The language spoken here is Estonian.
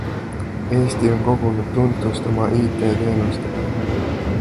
Eesti on kogunud tuntust oma IT teenustega.